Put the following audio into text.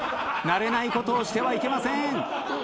慣れないことをしてはいけません。